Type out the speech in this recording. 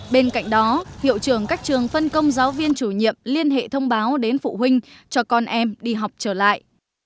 bên cạnh đó hiệu trường các trường phân công giáo viên chủ nhiệm liên hệ thông báo đến phụ huynh cho con em đi học trở lại